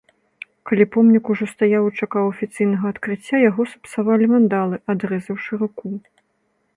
Калі помнік ужо стаяў і чакаў афіцыйнага адкрыцця, яго сапсавалі вандалы, адрэзаўшы руку.